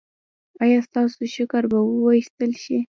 ایا ستاسو شکر به وویستل شي؟